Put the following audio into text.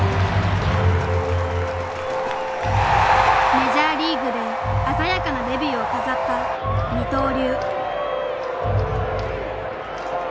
メジャーリーグで鮮やかなデビューを飾った二刀流。